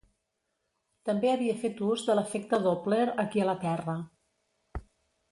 També havia fet ús de l'efecte Doppler aquí a la Terra.